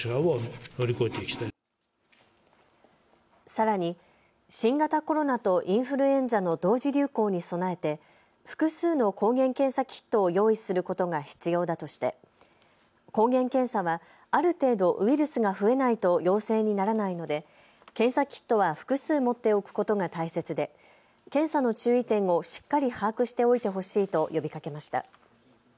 さらに新型コロナとインフルエンザの同時流行に備えて複数の抗原検査キットを用意することが必要だとして抗原検査はある程度、ウイルスが増えないと陽性にならないので検査キットは複数持っておくことが大切で検査の注意点をしっかり把握しておいてほしいと呼びかけました。